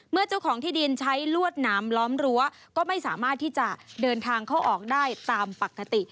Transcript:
เจ้าของที่ดินใช้ลวดหนามล้อมรั้วก็ไม่สามารถที่จะเดินทางเข้าออกได้ตามปกติ